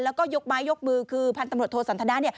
แล้วก็ยกไม้ยกมือคือพันธมโรธโทษศาลธนา